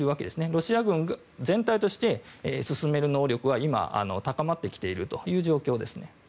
ロシア軍全体として進める能力は今、高まってきているという状況です。